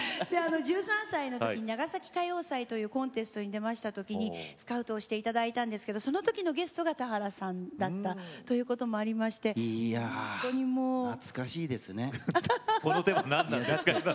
１３歳のときに長崎歌謡祭というコンテストに出ましたときスカウトしていただいたんですがそのときのゲストが田原さんだったりということも懐かしいですね。